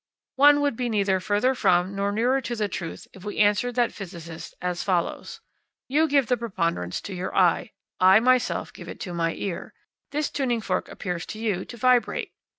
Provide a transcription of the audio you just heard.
One would be neither further from nor nearer to the truth if we answered that physicist as follows: "You give the preponderance to your eye; I myself give it to my ear. This tuning fork appears to you to vibrate.